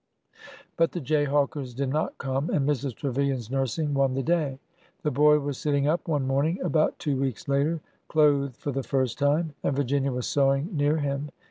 But the jayhawkers did not come. And Mrs. Tre vilian's nursing won the day. The boy was sitting up one morning about two weeks later, clothed for the first time, and Virginia was sewing near him.